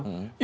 ya boleh gitu